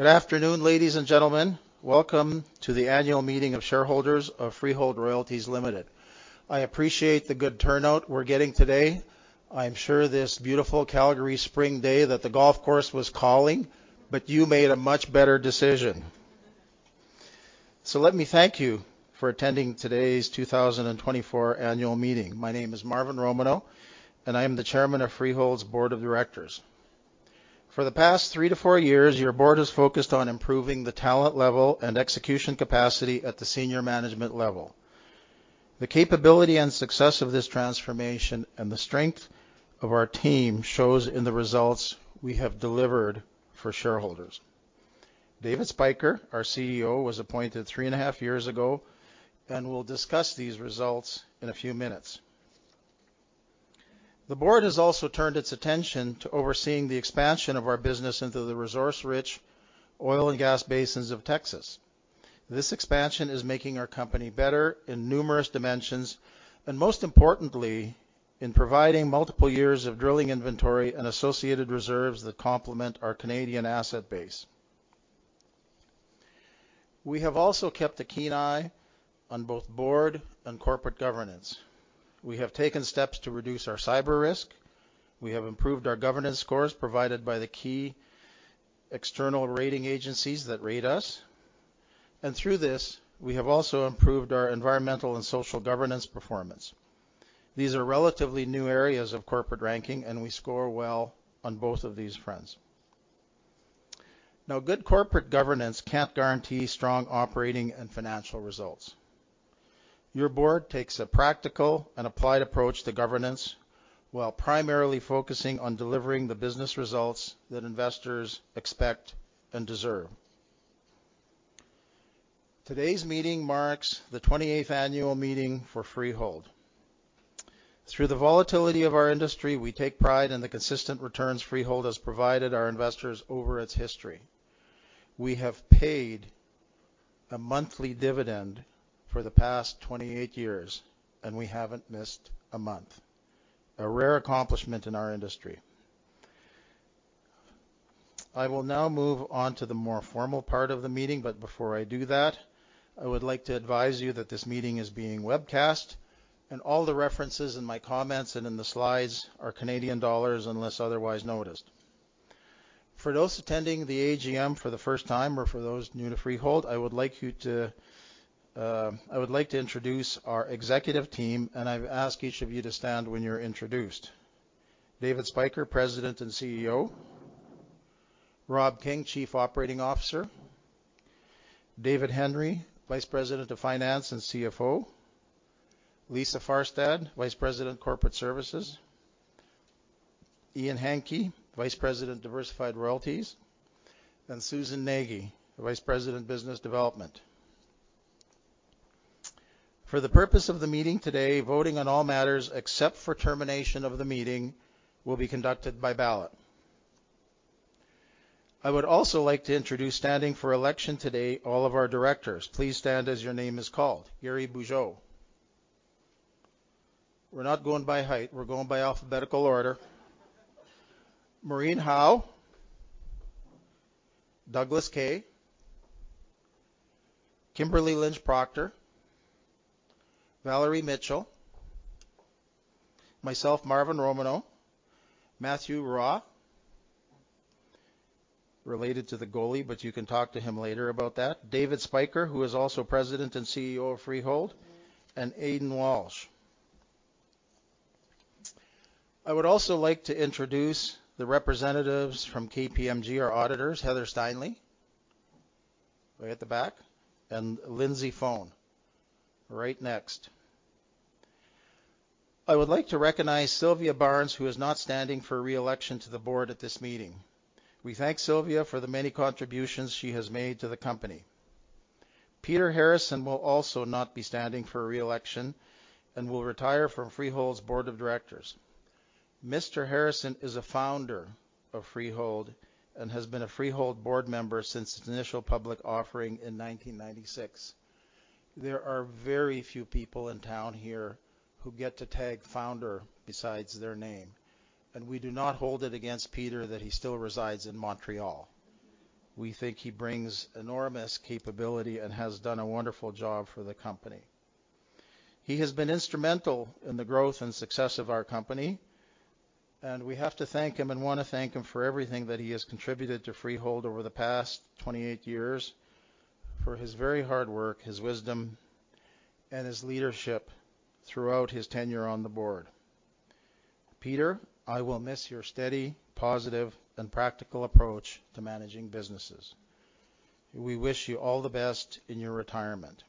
Good afternoon, ladies and gentlemen. Welcome to the annual meeting of shareholders of Freehold Royalties Ltd. I appreciate the good turnout we're getting today. I'm sure this beautiful Calgary spring day that the golf course was calling, but you made a much better decision. So let me thank you for attending today's 2024 annual meeting. My name is Marvin Romanow, and I am the Chairman of Freehold's board of directors. For the past three to four years, your board has focused on improving the talent level and execution capacity at the senior management level. The capability and success of this transformation and the strength of our team shows in the results we have delivered for shareholders. David Spyker, our CEO, was appointed three and a half years ago and will discuss these results in a few minutes. The board has also turned its attention to overseeing the expansion of our business into the resource-rich oil and gas basins of Texas. This expansion is making our company better in numerous dimensions and, most importantly, in providing multiple years of drilling inventory and associated reserves that complement our Canadian asset base. We have also kept a keen eye on both board and corporate governance. We have taken steps to reduce our cyber risk. We have improved our governance scores provided by the key external rating agencies that rate us. Through this, we have also improved our environmental and social governance performance. These are relatively new areas of corporate ranking, and we score well on both of these fronts. Now, good corporate governance can't guarantee strong operating and financial results. Your board takes a practical and applied approach to governance while primarily focusing on delivering the business results that investors expect and deserve. Today's meeting marks the 28th annual meeting for Freehold. Through the volatility of our industry, we take pride in the consistent returns Freehold has provided our investors over its history. We have paid a monthly dividend for the past 28 years, and we haven't missed a month. A rare accomplishment in our industry. I will now move on to the more formal part of the meeting, but before I do that, I would like to advise you that this meeting is being webcast, and all the references in my comments and in the slides are Canadian dollars unless otherwise noticed. For those attending the AGM for the first time or for those new to Freehold, I would like to introduce our executive team, and I've asked each of you to stand when you're introduced. David Spyker, President and CEO. Rob King, Chief Operating Officer. David Hendry, Vice President of Finance and CFO. Lisa Farstad, Vice President Corporate Services. Ian Hanke, Vice President Diversified Royalties. And Susan Nagy, Vice President Business Development. For the purpose of the meeting today, voting on all matters except for termination of the meeting will be conducted by ballot. I would also like to introduce, standing for election today, all of our directors. Please stand as your name is called. Gary Bugeaud. We're not going by height. We're going by alphabetical order. Maureen Howe. Douglas Kay. Kimberly Lynch Proctor. Valerie Mitchell. Myself, Marvin Romanow. Mathieu Roy. Related to the goalie, but you can talk to him later about that. David Spyker, who is also President and CEO of Freehold. And Aidan Walsh. I would also like to introduce the representatives from KPMG, our auditors, Heather Steinley. Way at the back. And Lindsay Fone. Right next. I would like to recognize Sylvia Barnes, who is not standing for reelection to the board at this meeting. We thank Sylvia for the many contributions she has made to the company. Peter Harrison will also not be standing for reelection and will retire from Freehold's board of directors. Mr. Harrison is a founder of Freehold and has been a Freehold board member since its initial public offering in 1996. There are very few people in town here who get to tag founder besides their name. And we do not hold it against Peter that he still resides in Montreal. We think he brings enormous capability and has done a wonderful job for the company. He has been instrumental in the growth and success of our company. We have to thank him and want to thank him for everything that he has contributed to Freehold over the past 28 years. For his very hard work, his wisdom, and his leadership throughout his tenure on the board. Peter, I will miss your steady, positive, and practical approach to managing businesses. We wish you all the best in your retirement.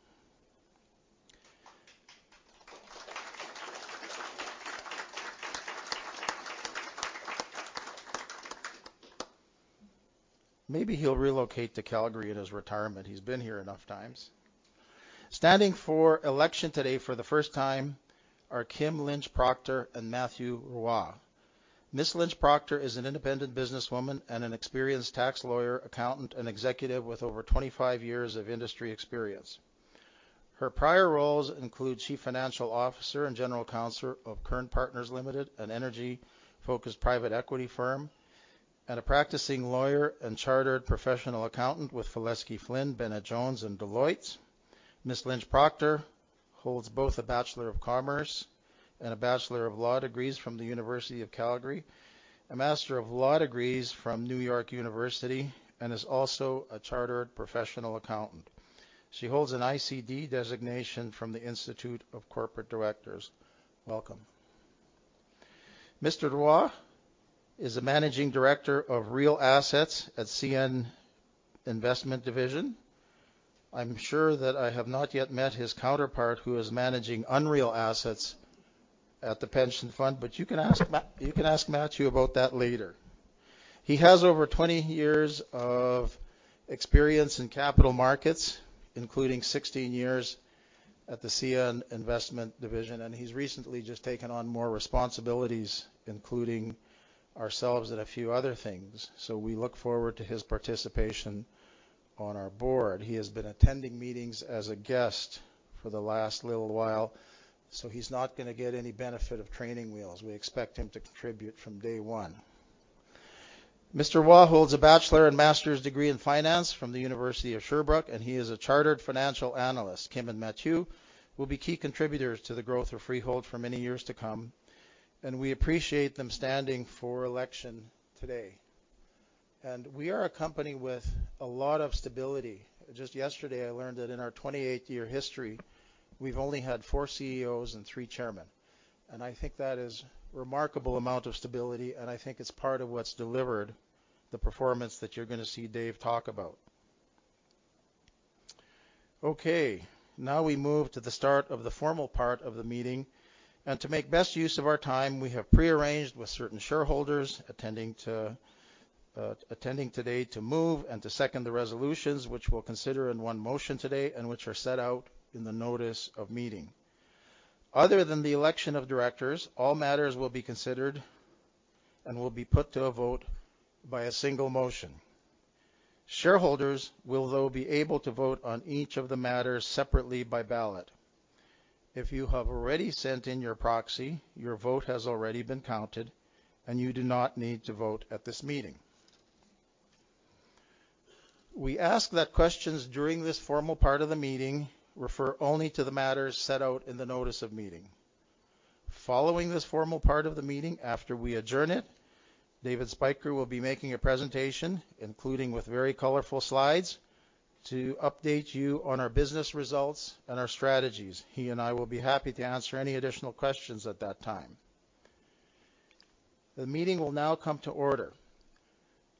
Maybe he'll relocate to Calgary in his retirement. He's been here enough times. Standing for election today for the first time are Kim Lynch Proctor and Mathieu Roy. Miss Lynch Proctor is an independent businesswoman and an experienced tax lawyer, accountant, and executive with over 25 years of industry experience. Her prior roles include chief financial officer and general counsel of Kern Partners Ltd, an energy-focused private equity firm, and a practicing lawyer and chartered professional accountant with Felesky Flynn, Bennett Jones, and Deloitte. Miss Lynch Proctor holds both a Bachelor of Commerce and a Bachelor of Laws degrees from the University of Calgary, a Master of Laws degrees from New York University, and is also a chartered professional accountant. She holds an ICD designation from the Institute of Corporate Directors. Welcome. Mr. Roy is a managing director of Real Assets at CN Investment Division. I'm sure that I have not yet met his counterpart who is managing Unreal Assets at the pension fund, but you can ask Matthew about that later. He has over 20 years of experience in capital markets, including 16 years at the CN Investment Division, and he's recently just taken on more responsibilities, including ourselves and a few other things. So we look forward to his participation on our board. He has been attending meetings as a guest for the last little while, so he's not going to get any benefit of training wheels. We expect him to contribute from day one. Mr. Roy holds a Bachelor and Master's degree in finance from the University of Sherbrooke, and he is a chartered financial analyst. Kim and Matthew will be key contributors to the growth of Freehold for many years to come. We appreciate them standing for election today. We are a company with a lot of stability. Just yesterday, I learned that in our 28-year history, we've only had four CEOs and three chairmen. I think that is a remarkable amount of stability, and I think it's part of what's delivered, the performance that you're going to see Dave talk about. Okay. Now we move to the start of the formal part of the meeting. To make best use of our time, we have prearranged with certain shareholders attending today to move and to second the resolutions, which we'll consider in one motion today and which are set out in the notice of meeting. Other than the election of directors, all matters will be considered and will be put to a vote by a single motion. Shareholders will, though, be able to vote on each of the matters separately by ballot. If you have already sent in your proxy, your vote has already been counted, and you do not need to vote at this meeting. We ask that questions during this formal part of the meeting refer only to the matters set out in the notice of meeting. Following this formal part of the meeting, after we adjourn it, David Spyker will be making a presentation, including with very colorful slides, to update you on our business results and our strategies. He and I will be happy to answer any additional questions at that time. The meeting will now come to order.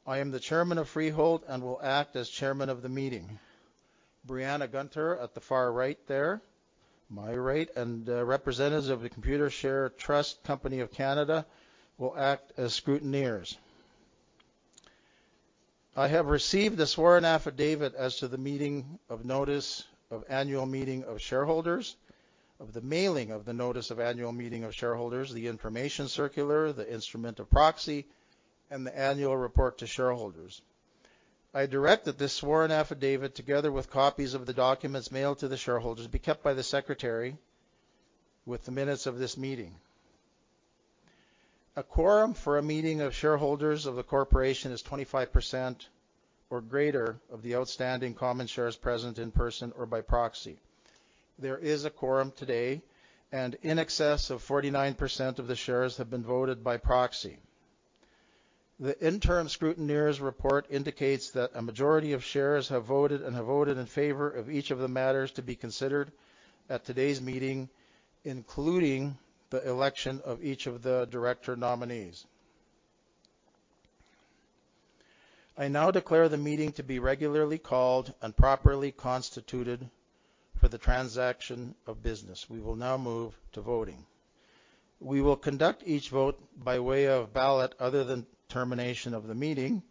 I am the Chairman of Freehold and will act as Chairman of the meeting. Brianna Guenther at the far right there, my right, and representatives of the Computershare Trust Company of Canada will act as scrutineers. I have received the sworn affidavit as to the meeting of notice of annual meeting of shareholders, of the mailing of the notice of annual meeting of shareholders, the information circular, the instrument of proxy, and the annual report to shareholders. I direct that this sworn affidavit, together with copies of the documents mailed to the shareholders, be kept by the secretary with the minutes of this meeting. A quorum for a meeting of shareholders of the corporation is 25% or greater of the outstanding common shares present in person or by proxy. There is a quorum today, and in excess of 49% of the shares have been voted by proxy. The interim scrutineers' report indicates that a majority of shares have voted and have voted in favor of each of the matters to be considered at today's meeting, including the election of each of the director nominees. I now declare the meeting to be regularly called and properly constituted for the transaction of business. We will now move to voting. We will conduct each vote by way of ballot other than termination of the meeting.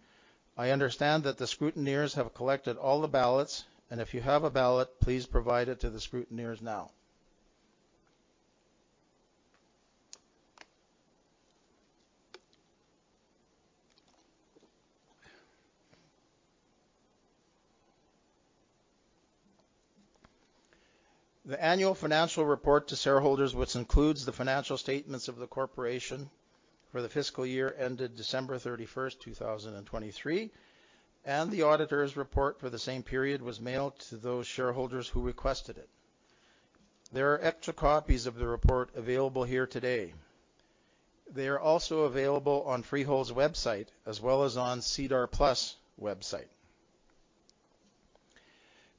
I understand that the scrutineers have collected all the ballots, and if you have a ballot, please provide it to the scrutineers now. The annual financial report to shareholders, which includes the financial statements of the corporation for the fiscal year ended December 31st, 2023, and the auditor's report for the same period was mailed to those shareholders who requested it. There are extra copies of the report available here today. They are also available on Freehold's website as well as on SEDAR+'s website.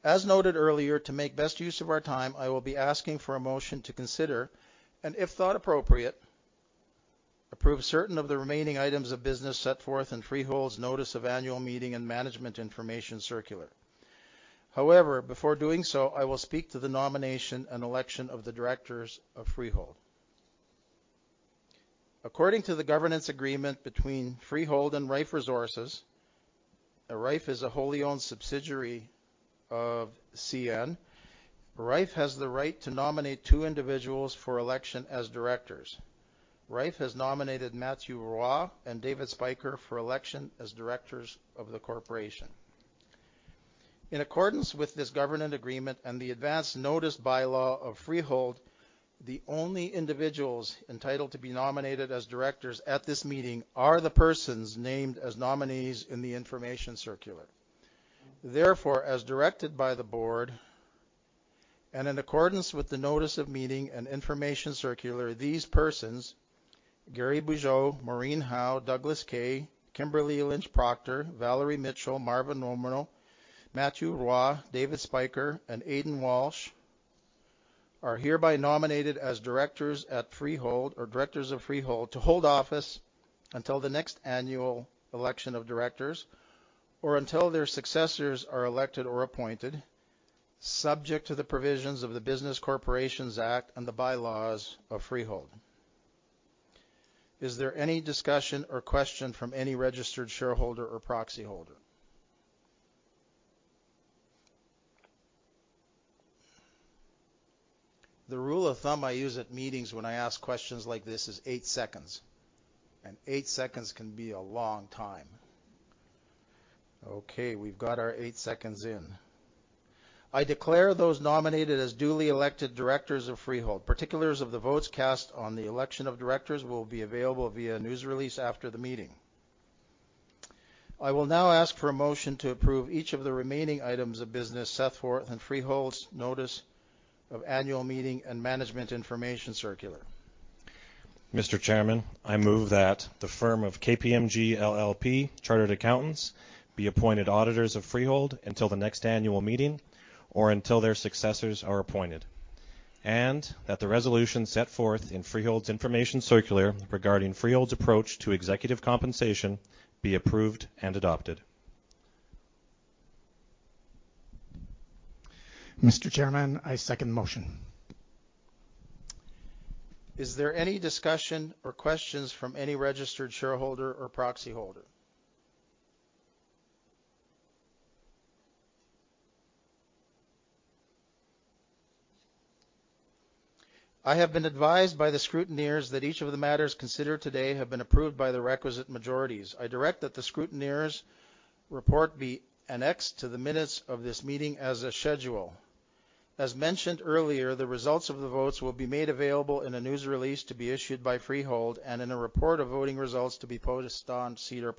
As noted earlier, to make best use of our time, I will be asking for a motion to consider and, if thought appropriate, approve certain of the remaining items of business set forth in Freehold's notice of annual meeting and management information circular. However, before doing so, I will speak to the nomination and election of the directors of Freehold. According to the governance agreement between Freehold and Rife Resources, Rife is a wholly owned subsidiary of CN. Rife has the right to nominate two individuals for election as directors. Rife has nominated Mathieu Roy and David Spyker for election as directors of the corporation. In accordance with this governance agreement and the advanced notice bylaw of Freehold, the only individuals entitled to be nominated as directors at this meeting are the persons named as nominees in the information circular. Therefore, as directed by the board and in accordance with the notice of meeting and information circular, these persons, Gary Bugeaud, Maureen Howe, Douglas Kay, Kimberly Lynch Proctor, Valerie Mitchell, Marvin Romanow, Mathieu Roy, David Spyker, and Aidan Walsh, are hereby nominated as directors at Freehold or directors of Freehold to hold office until the next annual election of directors or until their successors are elected or appointed, subject to the provisions of the Business Corporations Act and the bylaws of Freehold. Is there any discussion or question from any registered shareholder or proxy holder? The rule of thumb I use at meetings when I ask questions like this is eight seconds. And eight seconds can be a long time. Okay. We've got our eight seconds in. I declare those nominated as duly elected directors of Freehold. Particulars of the votes cast on the election of directors will be available via news release after the meeting. I will now ask for a motion to approve each of the remaining items of business set forth in Freehold's notice of annual meeting and management information circular. Mr. Chairman, I move that the firm of KPMG LLP, Chartered Accountants, be appointed auditors of Freehold until the next annual meeting or until their successors are appointed. And that the resolution set forth in Freehold's information circular regarding Freehold's approach to executive compensation be approved and adopted. Mr. Chairman, I second the motion. Is there any discussion or questions from any registered shareholder or proxy holder? I have been advised by the scrutineers that each of the matters considered today have been approved by the requisite majorities. I direct that the scrutineers' report be annexed to the minutes of this meeting as a schedule. As mentioned earlier, the results of the votes will be made available in a news release to be issued by Freehold and in a report of voting results to be posted on SEDAR+.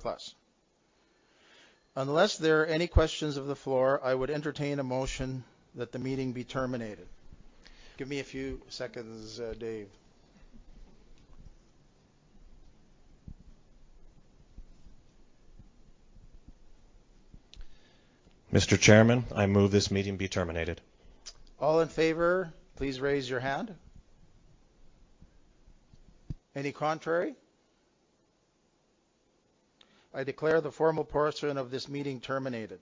Unless there are any questions of the floor, I would entertain a motion that the meeting be terminated. Give me a few seconds, Dave. Mr. Chairman, I move this meeting be terminated. All in favor, please raise your hand. Any contrary? I declare the formal portion of this meeting terminated.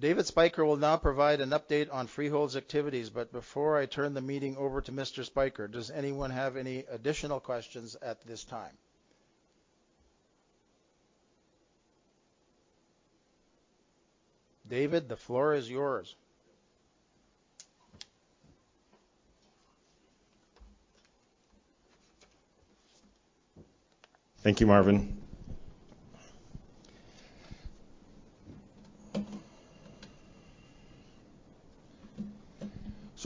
David Spyker will now provide an update on Freehold's activities. But before I turn the meeting over to Mr. Spyker, does anyone have any additional questions at this time? David, the floor is yours. Thank you, Marvin.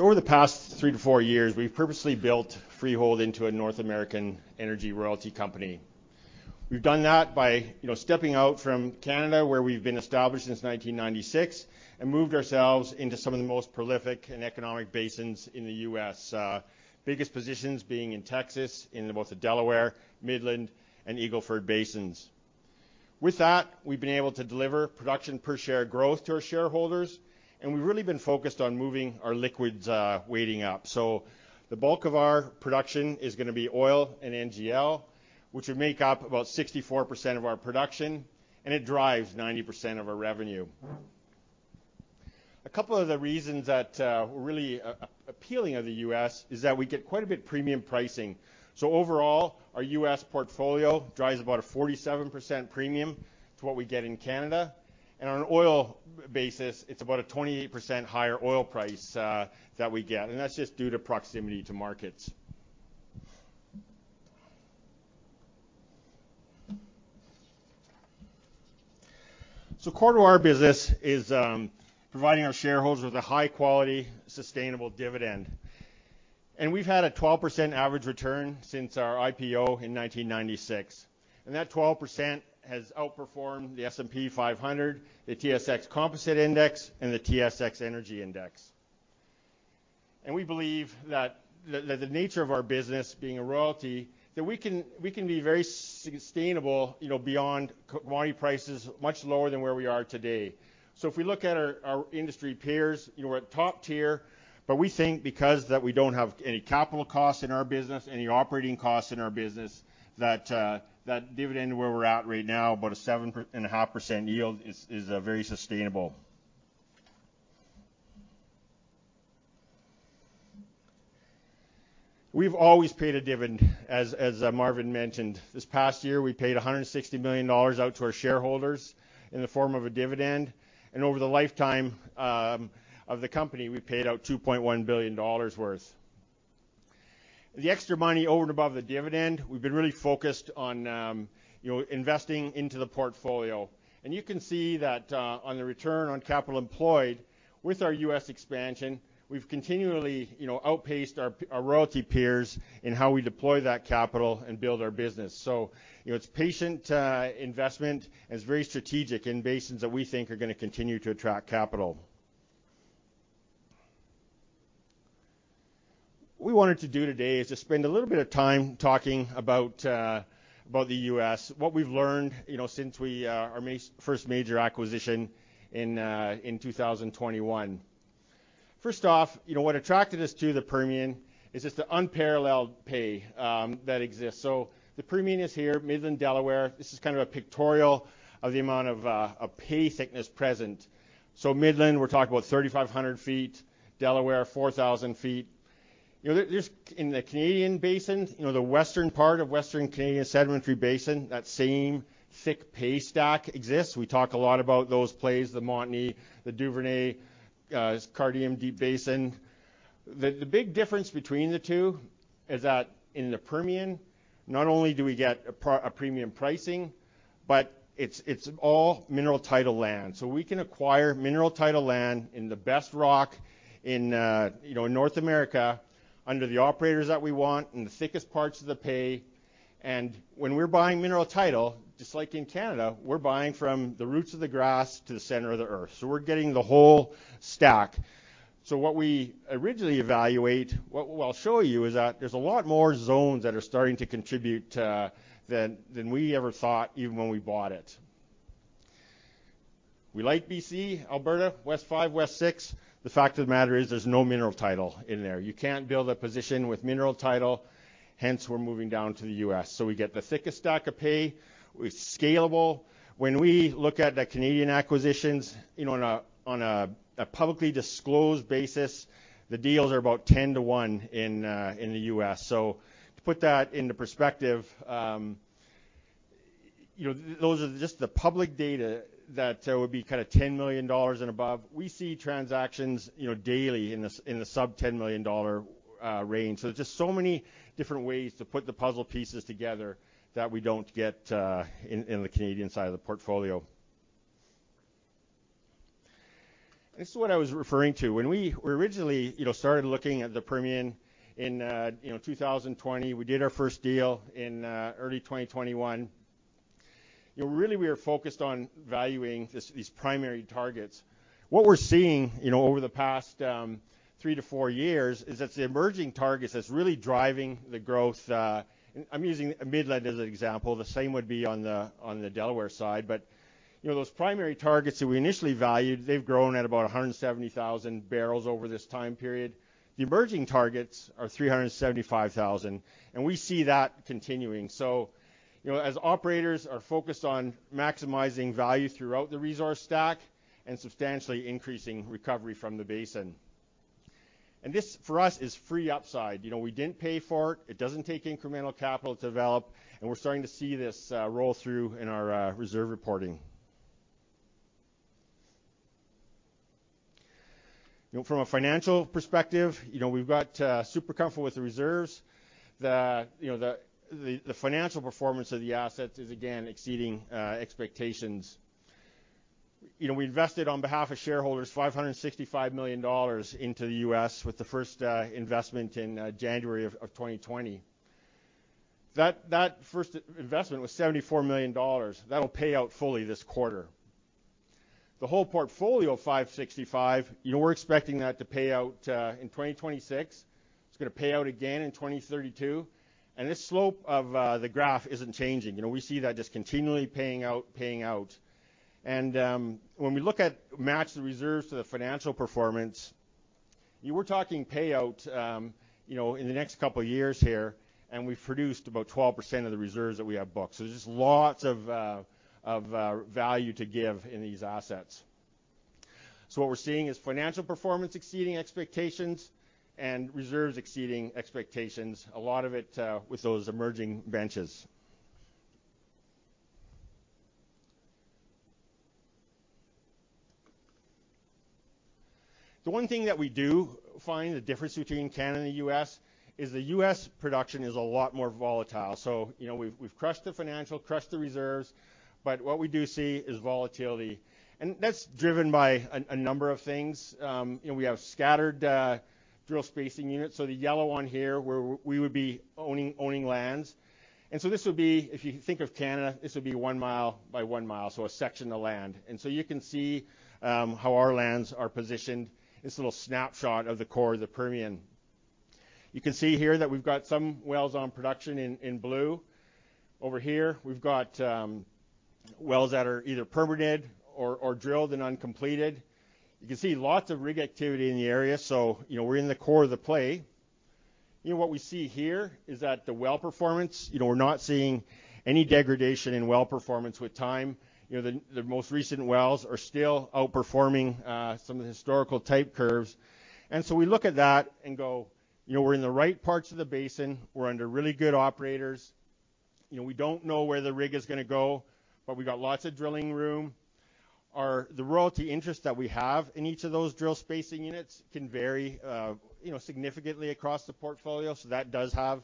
So over the past 3-4 years, we've purposely built Freehold into a North American energy royalty company. We've done that by stepping out from Canada, where we've been established since 1996, and moved ourselves into some of the most prolific and economic basins in the U.S., biggest positions being in Texas, in both the Delaware, Midland, and Eagle Ford basins. With that, we've been able to deliver production per share growth to our shareholders, and we've really been focused on moving our liquids weighting up. So the bulk of our production is going to be oil and NGL, which would make up about 64% of our production, and it drives 90% of our revenue. A couple of the reasons that we're really appealing to the U.S. is that we get quite a bit premium pricing. So overall, our U.S. portfolio drives about a 47% premium to what we get in Canada. On an oil basis, it's about a 28% higher oil price that we get. That's just due to proximity to markets. So core to our business is providing our shareholders with a high-quality, sustainable dividend. We've had a 12% average return since our IPO in 1996. That 12% has outperformed the S&P 500, the TSX Composite Index, and the TSX Energy Index. We believe that the nature of our business being a royalty, that we can be very sustainable beyond commodity prices, much lower than where we are today. So if we look at our industry peers, we're at top tier, but we think because that we don't have any capital costs in our business, any operating costs in our business, that dividend where we're at right now, about a 7.5% yield, is very sustainable. We've always paid a dividend. As Marvin mentioned, this past year, we paid 160 million dollars out to our shareholders in the form of a dividend. And over the lifetime of the company, we paid out 2.1 billion dollars worth. The extra money over and above the dividend, we've been really focused on investing into the portfolio. And you can see that on the return on capital employed with our U.S. expansion, we've continually outpaced our royalty peers in how we deploy that capital and build our business. So it's patient investment and it's very strategic in basins that we think are going to continue to attract capital. What we wanted to do today is just spend a little bit of time talking about the U.S., what we've learned since our first major acquisition in 2021. First off, what attracted us to the Permian is just the unparalleled pay that exists. So the Permian is here, Midland, Delaware. This is kind of a pictorial of the amount of pay thickness present. So Midland, we're talking about 3,500 feet. Delaware, 4,000 feet. In the Canadian Basin, the western part of Western Canadian Sedimentary Basin, that same thick pay stack exists. We talk a lot about those plays, the Montney, the Duvernay, Cardium Deep Basin. The big difference between the two is that in the Permian, not only do we get a premium pricing, but it's all mineral title land. We can acquire mineral title land in the best rock in North America under the operators that we want in the thickest parts of the pay. When we're buying mineral title, just like in Canada, we're buying from the roots of the grass to the center of the earth. We're getting the whole stack. What we originally evaluate, what I'll show you is that there's a lot more zones that are starting to contribute than we ever thought even when we bought it. We like BC, Alberta, West 5, West 6. The fact of the matter is there's no mineral title in there. You can't build a position with mineral title. Hence, we're moving down to the U.S. We get the thickest stack of pay. We're scalable. When we look at the Canadian acquisitions on a publicly disclosed basis, the deals are about 10-to-1 in the U.S. So to put that into perspective, those are just the public data that would be kind of 10 million dollars and above. We see transactions daily in the sub-CAD 10 million range. So there's just so many different ways to put the puzzle pieces together that we don't get in the Canadian side of the portfolio. This is what I was referring to. When we originally started looking at the Permian in 2020, we did our first deal in early 2021. Really, we were focused on valuing these primary targets. What we're seeing over the past 3 years-4 years is that the emerging targets that's really driving the growth and I'm using Midland as an example. The same would be on the Delaware side. But those primary targets that we initially valued, they've grown at about 170,000 barrels over this time period. The emerging targets are 375,000. And we see that continuing. So as operators are focused on maximizing value throughout the resource stack and substantially increasing recovery from the basin. And this, for us, is free upside. We didn't pay for it. It doesn't take incremental capital to develop. And we're starting to see this roll through in our reserve reporting. From a financial perspective, we've got super comfortable with the reserves. The financial performance of the assets is, again, exceeding expectations. We invested on behalf of shareholders 565 million dollars into the U.S. with the first investment in January of 2020. That first investment was 74 million dollars. That'll pay out fully this quarter. The whole portfolio of 565, we're expecting that to pay out in 2026. It's going to pay out again in 2032. This slope of the graph isn't changing. We see that just continually paying out, paying out. When we look at match the reserves to the financial performance, we're talking payout in the next couple of years here. We've produced about 12% of the reserves that we have booked. So there's just lots of value to give in these assets. So what we're seeing is financial performance exceeding expectations and reserves exceeding expectations, a lot of it with those emerging benches. The one thing that we do find the difference between Canada and the U.S. is the U.S. production is a lot more volatile. So we've crushed the financial, crushed the reserves. But what we do see is volatility. That's driven by a number of things. We have scattered drill spacing units. So the yellow one here, where we would be owning lands. And so this would be if you think of Canada, this would be one mile by one mile, so a section of land. And so you can see how our lands are positioned, this little snapshot of the core of the Permian. You can see here that we've got some wells on production in blue. Over here, we've got wells that are either permitted or drilled and uncompleted. You can see lots of rig activity in the area. So we're in the core of the play. What we see here is that the well performance, we're not seeing any degradation in well performance with time. The most recent wells are still outperforming some of the historical type curves. And so we look at that and go, "We're in the right parts of the basin. We're under really good operators. We don't know where the rig is going to go, but we got lots of drilling room." The royalty interest that we have in each of those drill spacing units can vary significantly across the portfolio. So that does have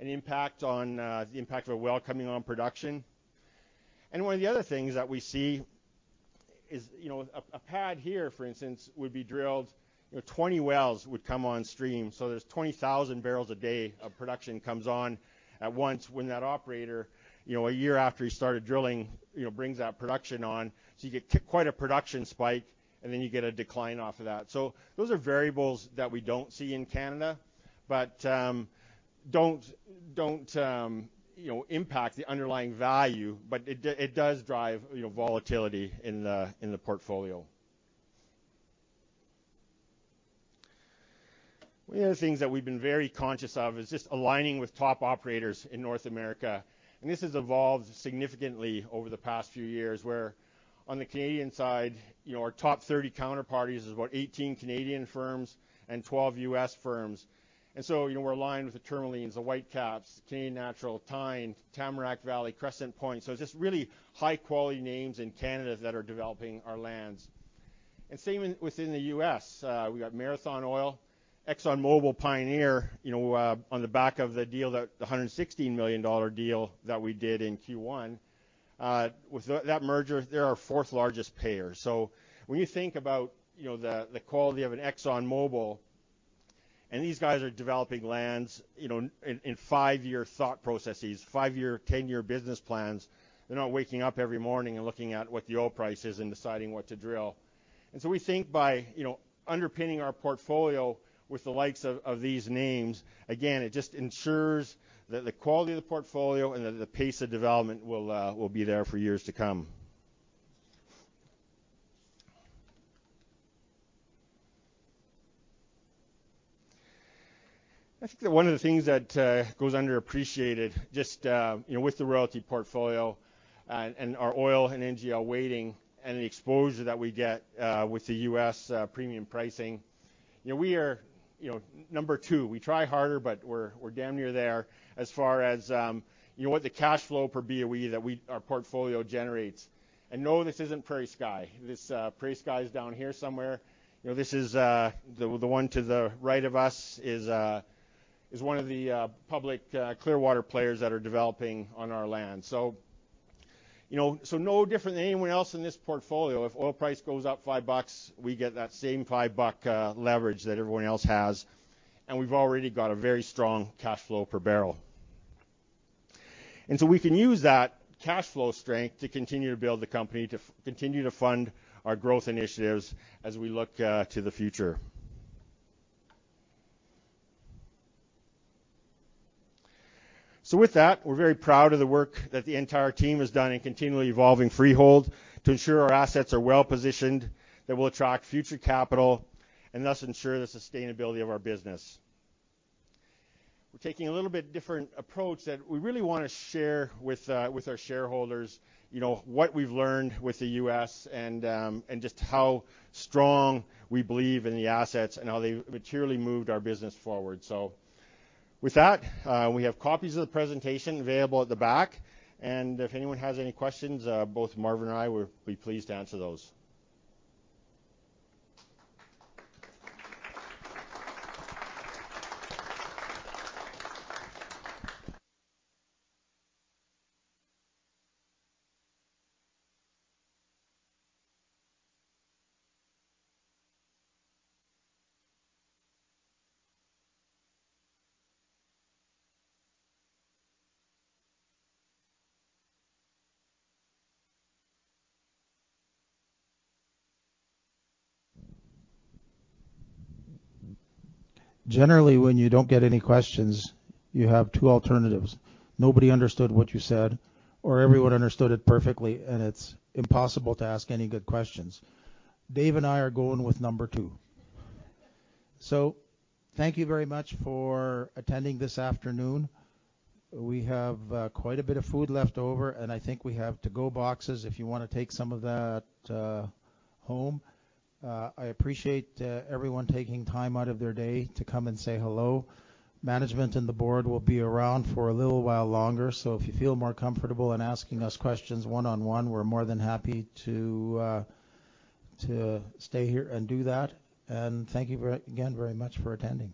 an impact on the impact of a well coming on production. And one of the other things that we see is a pad here, for instance, would be drilled. 20 wells would come on stream. So there's 20,000 barrels a day of production comes on at once when that operator, a year after he started drilling, brings that production on. So you get quite a production spike, and then you get a decline off of that. So those are variables that we don't see in Canada but don't impact the underlying value. But it does drive volatility in the portfolio. One of the other things that we've been very conscious of is just aligning with top operators in North America. This has evolved significantly over the past few years where on the Canadian side, our top 30 counterparties is about 18 Canadian firms and 12 U.S. firms. So we're aligned with the Tourmalines, the Whitecaps, Canadian Natural, Teine, Tamarack Valley, Crescent Point. So it's just really high-quality names in Canada that are developing our lands. Same within the U.S. We got Marathon Oil, ExxonMobil, Pioneer on the back of the deal, the 116 million dollar deal that we did in Q1. With that merger, they're our fourth-largest payer. So when you think about the quality of an ExxonMobil and these guys are developing lands in five-year thought processes, five-year, ten-year business plans, they're not waking up every morning and looking at what the oil price is and deciding what to drill. And so we think by underpinning our portfolio with the likes of these names, again, it just ensures that the quality of the portfolio and that the pace of development will be there for years to come. I think that one of the things that goes underappreciated just with the royalty portfolio and our oil and NGL weighting and the exposure that we get with the U.S. premium pricing, we are number two. We try harder, but we're damn near there as far as what the cash flow per BOE that our portfolio generates. And no, this isn't PrairieSky. This PrairieSky is down here somewhere. This is the one to the right of us is one of the public Clearwater players that are developing on our land. So no different than anyone else in this portfolio, if oil price goes up 5 bucks, we get that same CAD 5-buck leverage that everyone else has. And we've already got a very strong cash flow per barrel. And so we can use that cash flow strength to continue to build the company, to continue to fund our growth initiatives as we look to the future. So with that, we're very proud of the work that the entire team has done in continually evolving Freehold to ensure our assets are well-positioned, that will attract future capital, and thus ensure the sustainability of our business. We're taking a little bit different approach that we really want to share with our shareholders, what we've learned with the U.S., and just how strong we believe in the assets and how they materially moved our business forward. So with that, we have copies of the presentation available at the back. And if anyone has any questions, both Marvin and I will be pleased to answer those. Generally, when you don't get any questions, you have two alternatives. Nobody understood what you said, or everyone understood it perfectly, and it's impossible to ask any good questions. Dave and I are going with number two. So thank you very much for attending this afternoon. We have quite a bit of food left over, and I think we have to-go boxes if you want to take some of that home. I appreciate everyone taking time out of their day to come and say hello. Management and the board will be around for a little while longer. So if you feel more comfortable in asking us questions one-on-one, we're more than happy to stay here and do that. And thank you again very much for attending.